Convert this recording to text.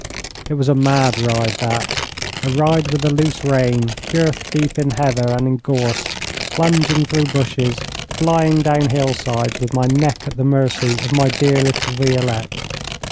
It was a mad ride, that a ride with a loose rein, girth deep in heather and in gorse, plunging through bushes, flying down hill sides, with my neck at the mercy of my dear little Violette.